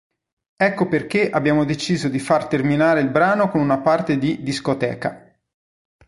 Ecco perché abbiamo deciso di far terminare il brano con una parte di "Discoteca".